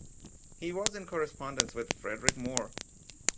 He was in correspondence with Frederic Moore.